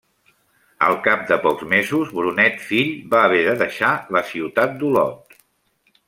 Al cap de pocs mesos, Brunet fill va haver de deixar la ciutat d'Olot.